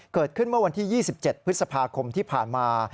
เกิดขึ้นเมื่อวันที่๒๗พฤษภาคมที่ผ่านมา